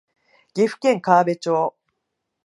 岐阜県川辺町